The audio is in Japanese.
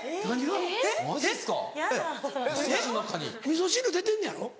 みそ汁出てんのやろ？